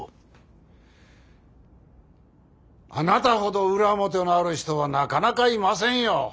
あなたほど裏表のある人はなかなかいませんよ。